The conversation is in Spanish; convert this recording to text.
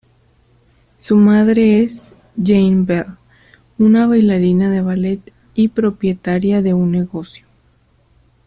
Su madre es Jane Bell, una bailarina de ballet y propietaria de un negocio.